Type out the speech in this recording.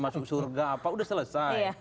masuk surga apa udah selesai